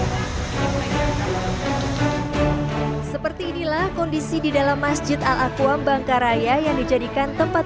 hai seperti inilah kondisi di dalam masjid al aqqam bangkaraya yang dijadikan tempat